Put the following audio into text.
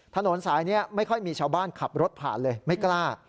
ถนนสายนี้ไม่ค่อยมีชาวบ้านขับรถผ่านเลยไม่กล้า